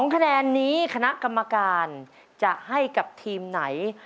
คะแนนนี้คณะกรรมการจะให้กับทีมไหน